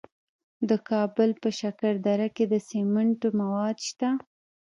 د کابل په شکردره کې د سمنټو مواد شته.